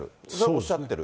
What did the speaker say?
おっしゃってる。